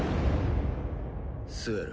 スエル。